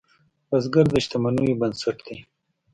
بزګر د شتمنیو بنسټ دی